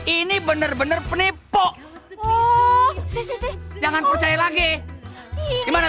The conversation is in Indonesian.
ini bener bener penipu jangan percaya lagi gimana